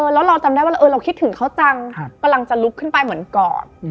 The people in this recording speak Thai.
แล้วเราจำได้ว่าเราคิดถึงเขาจังกำลังจะลุกขึ้นไปเหมือนกอด